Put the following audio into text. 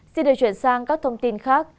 xin đề chuyển sang các thông tin khác